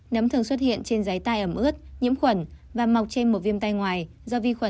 nấm thường xuất hiện trên giấy tay ẩm ướt nhiễm khuẩn và mọc trên một viêm tay ngoài